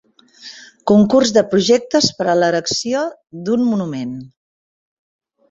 Concurs de projectes per a l'erecció d'un monument.